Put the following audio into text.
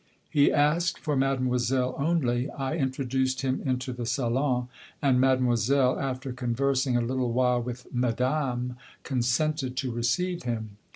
"He asked for Mademoiselle only. I introduced him into the salon, and Mademoiselle, after conversing a little while with Madame, consented to receive him.